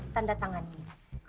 tanda tangan ini